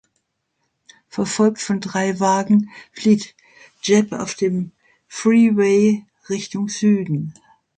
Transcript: Verfolgt von drei Wagen flieht Jack auf den Freeway Richtung Süden.